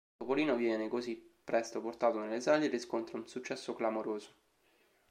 Topolino viene, così, presto portato nelle sale e riscontra un successo clamoroso.